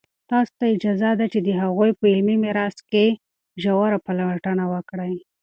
تاسو ته اجازه ده چې د هغوی په علمي میراث کې ژوره پلټنه وکړئ.